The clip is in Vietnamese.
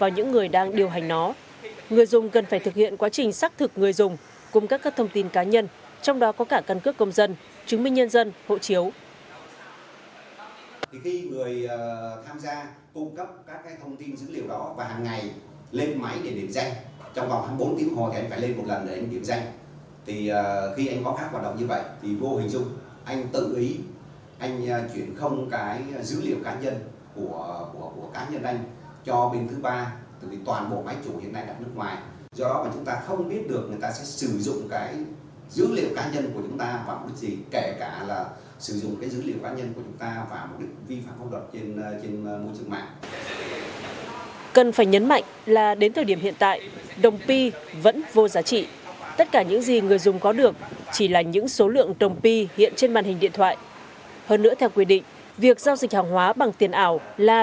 người dùng cần phải thực hiện quá trình xác thực người dùng cung cấp các thông tin cá nhân trong đó có cả căn cước công dân chứng minh nhân dân chứng minh nhân dân hộ chiếu